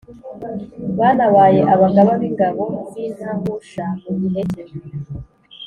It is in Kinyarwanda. Banabaye abagaba b’ingabo z’intahusha mu gihe cye.